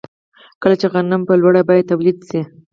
کله چې غنم په لوړه بیه تولید شي